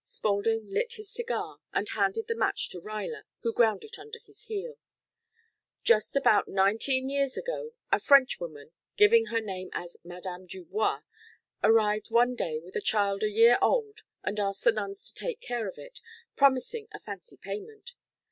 Spaulding lit his cigar and handed the match to Ruyler, who ground it under his heel. "Just about nineteen years ago a Frenchwoman, giving her name as Madame Dubois, arrived one day with a child a year old and asked the nuns to take care of it, promising a fancy payment.